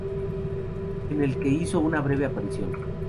En el que hizo una breve aparición